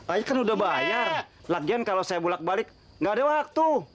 aja kan udah bayar lagian kalau saya bulat balik nggak ada waktu